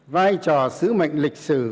vai trò sứ mệnh lịch sử